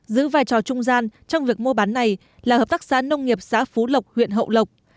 giữ vai trò trung gian trong việc mua bán này là hợp tác xã nông nghiệp xã phú lộc huyện hậu lộc